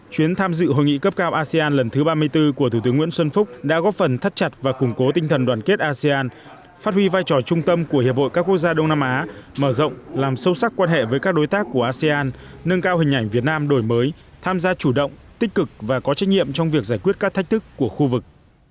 chuyến tham dự hội nghị cấp cao asean lần thứ ba mươi bốn của thủ tướng nguyễn xuân phúc đã góp phần thắt chặt và củng cố tinh thần đoàn kết asean phát huy vai trò trung tâm của hiệp hội các quốc gia đông nam á mở rộng làm sâu sắc quan hệ với các đối tác của asean nâng cao hình ảnh việt nam đổi mới tham gia chủ động tích cực và có trách nhiệm trong việc giải quyết các thách thức của khu vực